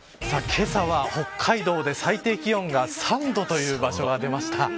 けさは北海道で最低気温が３度という場所が出ました。